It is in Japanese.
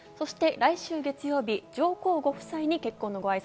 来週月曜日、上皇ご夫妻に結婚のご挨拶。